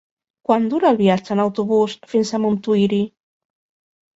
Quant dura el viatge en autobús fins a Montuïri?